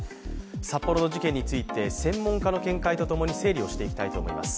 札幌の事件について専門家の見解とともに整理していきたいと思います。